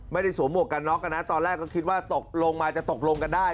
สวมหวกกันน็อกนะตอนแรกก็คิดว่าตกลงมาจะตกลงกันได้